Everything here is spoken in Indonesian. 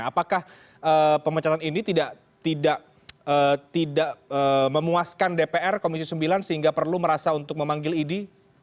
apakah pemecatan ini tidak memuaskan dpr komisi sembilan sehingga perlu merasa untuk memanggil idi